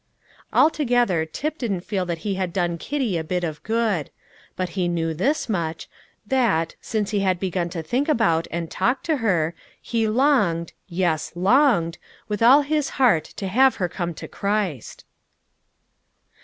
Altogether, Tip didn't feel that he had done Kitty a bit of good. But he knew this much, that, since he had begun to think about and talk to her, he longed yes, longed with all his heart to have her come to Christ.